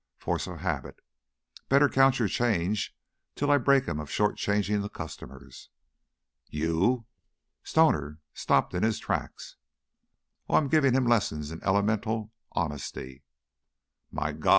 Force of habit! Better count your change till I break him of short changing the customers." "You " Stoner stopped in his tracks. "Oh, I'm giving him lessons in elemental honesty." "My God!